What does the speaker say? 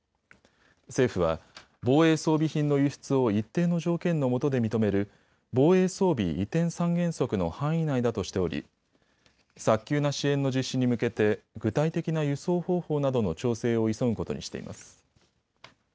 政府は防衛装備品の輸出を一定の条件のもとで認める防衛装備移転三原則の範囲内だとしており早急な支援の実施に向けて具体的な輸送方法などの調整を急ぐことにしています。